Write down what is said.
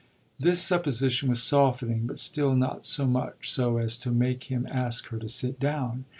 This supposition was softening, but still not so much so as to make him ask her to sit down.